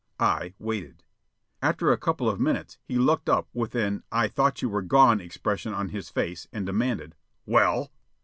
I waited. After a couple of minutes he looked up with an I thought you were gone expression on his face, and demanded: "Well?"